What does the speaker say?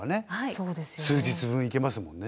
数日分いけますもんね。